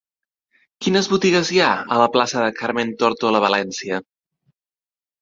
Quines botigues hi ha a la plaça de Carmen Tórtola Valencia?